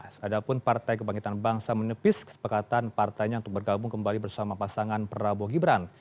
seadapun partai kebangkitan bangsa menepis kesepakatan partainya untuk bergabung kembali bersama pasangan prabowo gibran